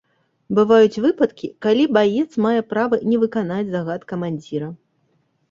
Бываюць выпадкі, калі баец мае права не выканаць загад камандзіра.